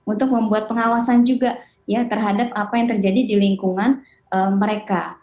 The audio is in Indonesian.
untuk membuat pengawasan juga ya terhadap apa yang terjadi di lingkungan mereka